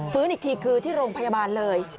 อีกทีคือที่โรงพยาบาลเลย